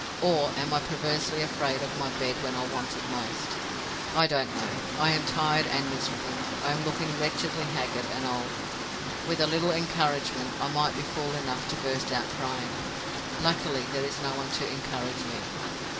or am I perversely afraid of my bed when I want it most? I don't know; I am tired and miserable; I am looking wretchedly haggard and old. With a little encouragement, I might be fool enough to burst out crying. Luckily, there is no one to encourage me.